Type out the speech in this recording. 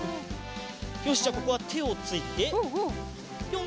よしじゃあここはてをついてぴょん。